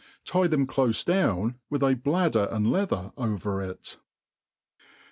Tie them cloie iloira with a bkdder and leather over it.